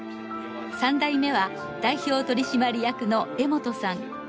三代目は代表取締役の江本さん。